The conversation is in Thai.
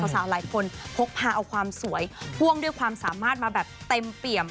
สาวหลายคนพกพาเอาความสวยพ่วงด้วยความสามารถมาแบบเต็มเปี่ยม